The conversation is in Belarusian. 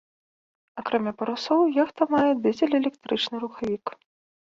Акрамя парусоў яхта мае дызель-электрычны рухавік.